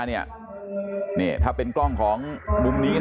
นี่ถ้าเป็นกล้องของมุมนี้